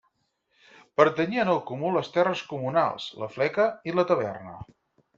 Pertanyien al Comú les terres comunals, la fleca i la taverna.